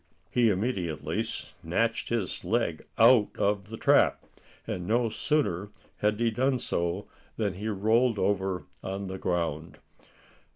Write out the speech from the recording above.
He immediately snatched his leg out of the trap, and no sooner had he done so than he rolled over on the ground.